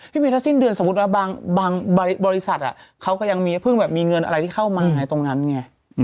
พี่บินถ้าสิ้นเดือนสมมุติว่าบางบริษัทเขาก็ยังมีเพิ่งแบบมีเงินอะไรที่เข้ามาตรงนั้นไง